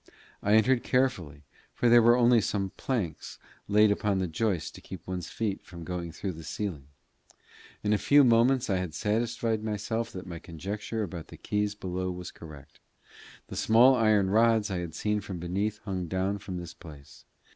I entered carefully, for there were only some planks laid upon the joists to keep one's feet from going through the ceiling. In a few moments I had satisfied myself that my conjecture about the keys below was correct. The small iron rods I had seen from beneath hung down from this place.